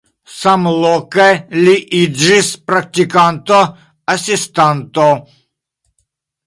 Samloke li iĝis praktikanto, asistanto.